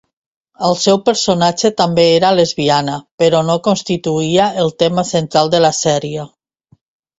El seu personatge també era lesbiana, però no constituïa el tema central de la sèrie.